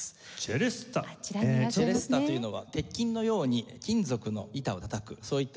チェレスタというのは鉄琴のように金属の板をたたくそういった仕組みの楽器です。